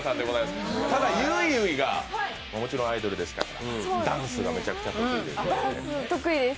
ゆいゆいがもちろんアイドルですからダンスがめちゃくちゃ得意ですから。